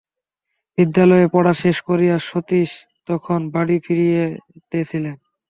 বিদ্যালয়ের পড়া শেষ করিয়া সতীশ তখন বাড়ি ফিরিতেছিল।